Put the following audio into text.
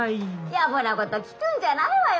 「やぼなこと聞くんじゃないわよ